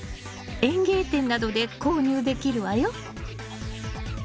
園芸店などで購入できるわよ。